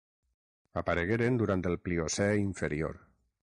Aparegueren durant el Pliocè inferior.